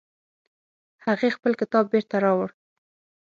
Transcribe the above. هغې خپل کتاب بیرته راوړ